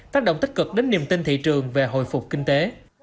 tác động tích cực đến niềm tin thị trường về hồi phục kinh tế